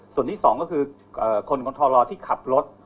ส่วนที่สองก็คือคนของทรที่ขับรถ